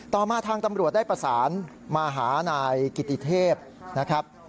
มาทางตำรวจได้ประสานมาหานายกิติเทพนะครับ